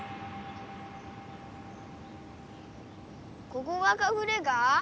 ここがかくれが？